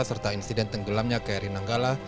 serta insiden tenggelamnya ke erinanggala